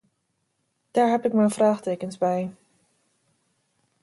Daar heb ik mijn vraagtekens bij.